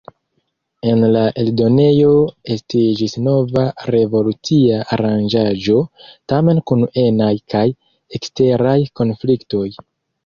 En la eldonejo estiĝis nova revolucia aranĝaĵo, tamen kun enaj kaj eksteraj konfliktoj.